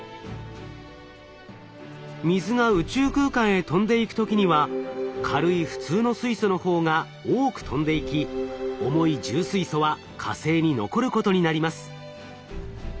水が宇宙空間へ飛んでいく時には軽い普通の水素の方が多く飛んでいき重い重水素は火星に残ることになります。